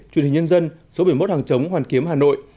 truyền hình nhân dân số bảy mươi một hàng chống hoàn kiếm hà nội